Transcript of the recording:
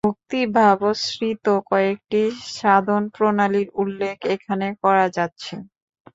ভক্তিভাবাশ্রিত কয়েকটি সাধনপ্রণালীর উল্লেখ এখানে করা যাচ্ছে।